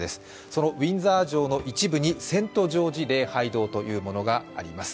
そのウィンザー城の一部にセント・ジョージ礼拝堂というのがあります。